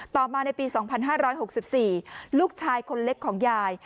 ต่อมาในปีสองพันห้าร้อยหกสิบสี่ลูกชายคนเล็กของยาย